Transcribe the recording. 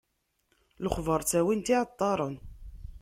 Lexbaṛ ttawin-t iɛeṭṭaṛen.